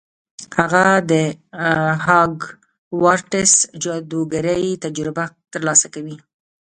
هغه د هاګوارتس جادوګرۍ تجربه ترلاسه کوي.